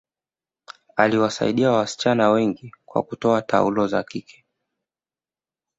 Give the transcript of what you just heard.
aliwasaidia wasichana wengi kwa kutoa taulo za kike